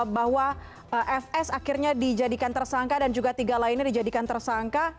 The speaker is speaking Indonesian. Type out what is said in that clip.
bahwa fs akhirnya dijadikan tersangka dan juga tiga lainnya dijadikan tersangka